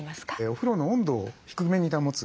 お風呂の温度を低めに保つ。